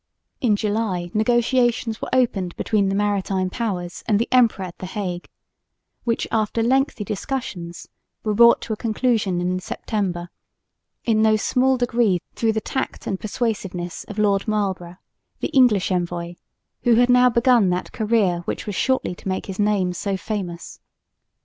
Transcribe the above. In July negotiations were opened between the maritime powers and the emperor at the Hague, which after lengthy discussions were brought to a conclusion in September, in no small degree through the tact and persuasiveness of Lord Marlborough, the English envoy, who had now begun that career which was shortly to make his name so famous.